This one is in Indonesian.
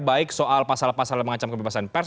baik soal pasal pasal yang mengancam kebebasan pers